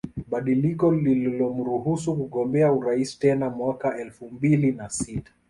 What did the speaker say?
Badiliko lililomruhusu kugombea urais tena mwaka elfu mbili na sita